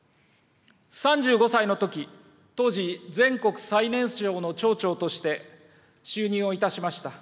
３５歳のとき、当時、全国最年少の町長として就任をいたしました。